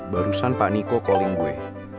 barusan pak niko calling gue